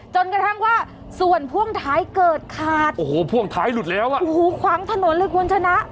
จนกระทั่งว่าส่วนพ่วงท้ายเกิดขาดโอ้โหพ่วงท้ายหลุดแล้วอ่ะโอ้โหขวางถนนเลยคุณชนะ